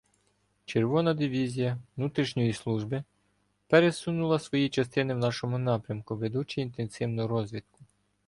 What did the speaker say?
Червона дивізія "внутрішньої служби" пересунула свої частини в нашому напрямку, ведучи інтенсивну розвідку.